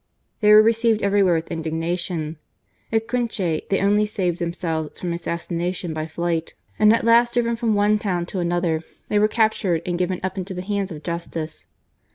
They were received everywhere with indignation ; at Quinche they only saved themselves from assassination by flight ; and at last, driven from one town to another, they were captured and given up into the hands of justice.